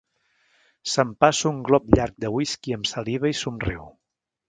S'empassa un glop llarg de whisky amb saliva i somriu.